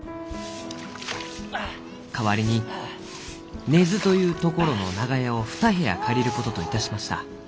「代わりに根津という所の長屋を２部屋借りることといたしました。